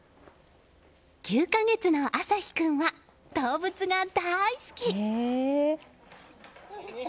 ９か月の旭陽君は動物が大好き。